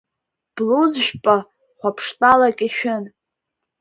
Блуз жәпа хәаԥштәалак ишәын.